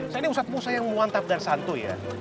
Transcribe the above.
saya ini ustadz musayang muantab dan santuy ya